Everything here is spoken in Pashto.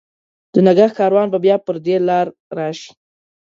د نګهت کاروان به بیا پر دې لار، راشي